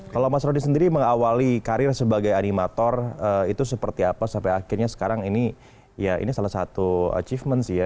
kalau mas rodi sendiri mengawali karir sebagai animator itu seperti apa sampai akhirnya sekarang ini ya ini salah satu achievement sih ya